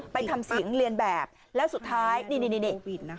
ไปทำสิงเรียนแบบแล้วสุดท้ายนี่